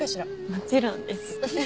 もちろんです。